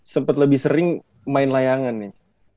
sempat lebih sering main layangan nih